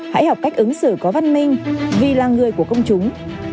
hãy học cách ứng xử có văn minh vì là người của công chúng